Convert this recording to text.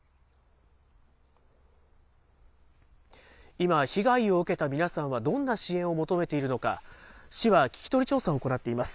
今、被害を受けた皆さんはどんな支援を求めているのか、市は聞き取り調査を行っています。